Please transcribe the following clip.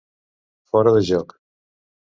Fora de joc.